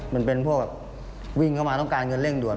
มันเป็นพวกแบบวิ่งเข้ามาต้องการเงินเร่งด่วน